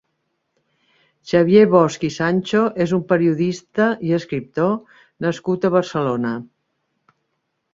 Xavier Bosch i Sancho és un periodista i escriptor nascut a Barcelona.